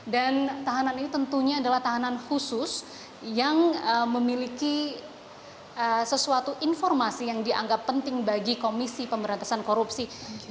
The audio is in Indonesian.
dan tahanan ini tentunya adalah tahanan khusus yang memiliki sesuatu informasi yang dianggap penting bagi komisi pemberantasan korupsi